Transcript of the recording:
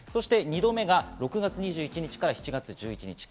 ２度目が６月２１日から７月１１日。